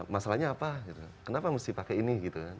masalahnya apa kenapa mesti pakai ini